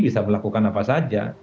dan yang akan dilakukan apa saja